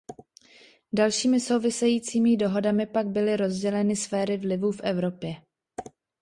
Dalšími souvisejícími dohodami pak byly rozděleny sféry vlivu v Evropě.